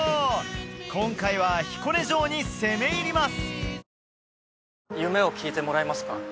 今回は彦根城に攻め入ります